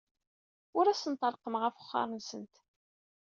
Ur asent-reqqmeɣ afexxar-nsent.